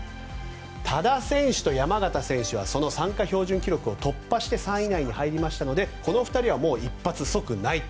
多田選手と山縣選手はその参加標準記録を突破して３位以内に入りましたのでこの２人は一発即内定。